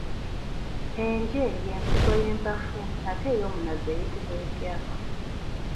Enje ye nsigo y'empafu ate ey'omunazi eyitibwa etya?